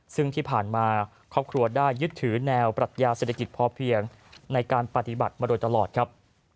ซึ่งที่ผ่านมาครอบครัวได้ยึดถือแนวปรัชญาเศรษฐกิจพอเพียงในการปฏิบัติมาโดยตลอดครับ